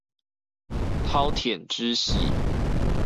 饕餮之徒